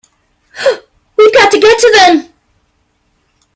We've got to get to them!